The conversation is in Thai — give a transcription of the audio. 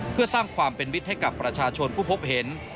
เพื่อสร้างความเป็นมิตรให้กับประชาชนผู้พบเห็น